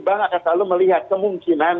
bank akan selalu melihat kemungkinan